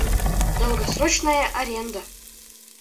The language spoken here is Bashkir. Долгосрочная аренда